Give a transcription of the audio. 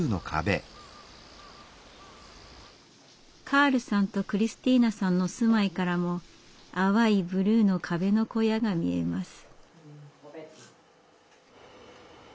カールさんとクリスティーナさんの住まいからも淡いブルーの壁の小屋が見えます。